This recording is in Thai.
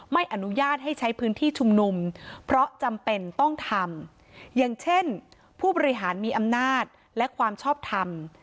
ไม่อนุญาตให้ใช้พื้นที่ชุมนุมเพราะจำเป็นต้องทำอย่างเช่นผู้บริหารมีอำนาจและความชอบทำ